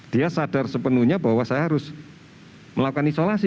dia sadar sepenuhnya bahwa saya harus melakukan isolasi